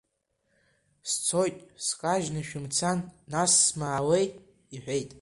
Сцоит, скажьны шәымцан, нас смаауеи, – иҳәеит.